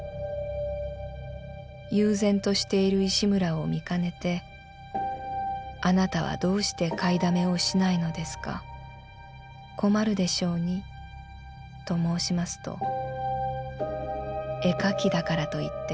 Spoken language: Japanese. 悠然としている石村を見かねて『あなたはどうして買いだめをしないのですか困るでしょうに』と申しますと『絵描きだからと言って絵の具でなきゃ描けないわけじゃない。